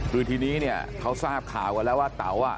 คือทีนี้เนี่ยเขาทราบข่าวกันแล้วว่าเต๋าอ่ะ